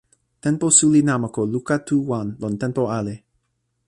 tenpo suli namako luka tu wan, lon tenpo ale